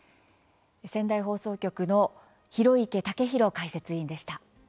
仙台放送局の広池健大解説委員でした。